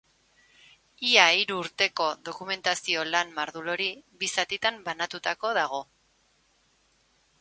Ia hiru urteko dokumentazio lan mardul hori bi zatitan banatutako dago.